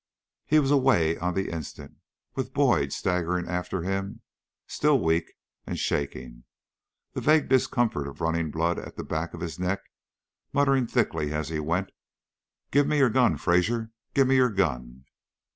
He was away on the instant, with Boyd staggering after him, still weak and shaking, the vague discomfort of running blood at the back of his neck, muttering thickly as he went: "Give me your gun, Fraser! Give me your gun!"